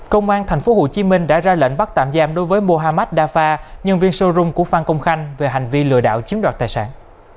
công an thành phố hồ chí minh đã ra lệnh bắt tạm giam đối với mohamad dafa nhân viên showroom của phan công khanh về hành vi lừa đảo chiếm đoạt tài sản